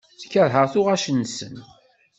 Keṛheɣ tuɣac-nsen.